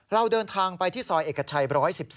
เราเดินทางไปที่ซอยเอกชัย๑๑๒